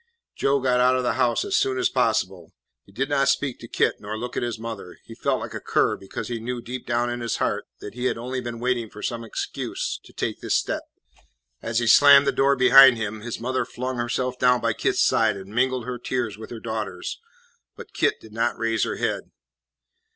Joe got out of the house as soon as possible. He did not speak to Kit nor look at his mother. He felt like a cur, because he knew deep down in his heart that he had only been waiting for some excuse to take this step. As he slammed the door behind him, his mother flung herself down by Kit's side and mingled her tears with her daughter's. But Kit did not raise her head.